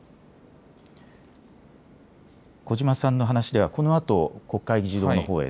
小嶋さんの話ではこのあと国会議事堂のほうへ。